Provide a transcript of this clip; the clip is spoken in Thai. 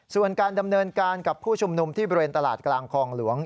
ส่วนการดำเนินการกับผู้ชุมนุมที่บริเวณตลาดกลางคลองหลวง